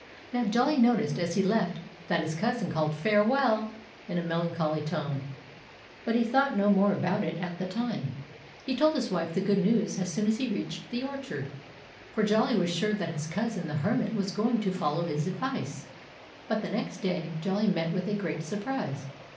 Now, Jolly noticed, as he left, that his cousin called "Farewell!" in a melancholy tone. But he thought no more about it at the time. He told his wife the good news as soon as he reached the orchard; for Jolly was sure that his cousin the Hermit was going to follow his advice. But the next day Jolly met with a great surprise.